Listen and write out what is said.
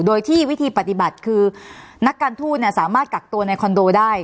โดยที่วิธีปฏิบัติคือนักการทูตสามารถกักตัวในคอนโดได้